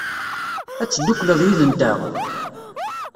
Ad teddukleḍ yid-nteɣ?